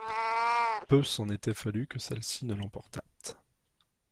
Peu s'en était fallu que celle-ci ne l'emportât.